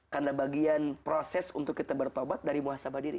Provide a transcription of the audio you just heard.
karena bagian proses untuk kita bertobat dari muhasabah diri